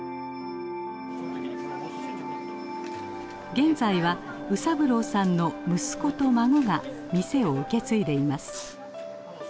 現在は卯三郎さんの息子と孫が店を受け継いでいます。